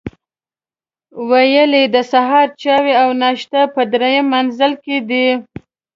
ویل یې د سهار چای او ناشته په درېیم منزل کې ده.